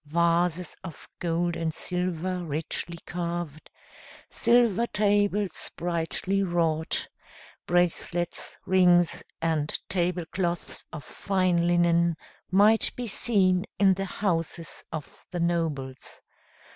Vases of gold and silver richly carved, silver tables brightly wrought, bracelets, rings, and table cloths of fine linen, might be seen in the houses of the nobles.